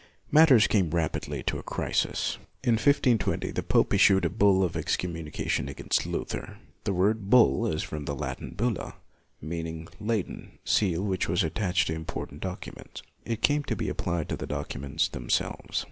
Matters came rapidly to a crisis. In 1520, the pope issued a bull of excom munication against Luther. The word bull is from the Latin bulla, meaning the leaden seal which was attached to im portant documents. It came to be applied to the documents themselves.